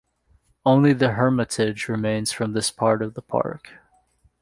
Only the Hermitage remains from this part of the park.